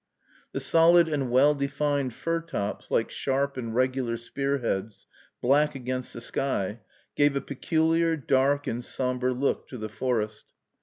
The solid and well defined fir tops, like sharp and regular spearheads, black against the sky, gave a peculiar, dark, and sombre look to the forest.